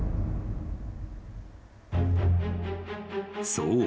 ［そう。